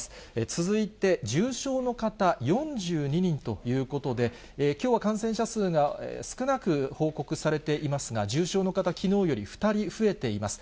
続いて、重症の方、４２人ということで、きょうは感染者数が少なく報告されていますが、重症の方、きのうより２人増えています。